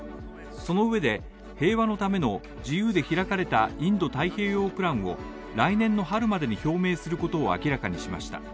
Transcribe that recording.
そのうえで、平和のための自由で開かれたインド太平洋プランを来年の春までに表明することを明らかにしました。